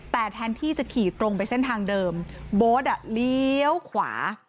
แต่แทนที่จะขี่ตรงไปเส้นทางเดิมโบ๊ทอ่ะเลี้ยวขวา